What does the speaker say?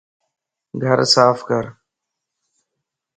گھر صاف ڪر